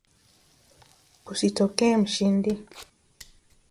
kusitokee mshindi